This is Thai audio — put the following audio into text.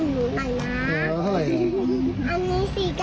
หนูจะลดให้สิบ